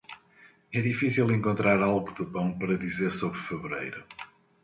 É difícil encontrar algo de bom para dizer sobre fevereiro.